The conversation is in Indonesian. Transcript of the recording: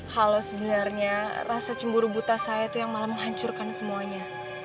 kalau sebenarnya rasa cemburu buta saya itu yang malah menghancurkan semuanya